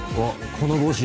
この帽子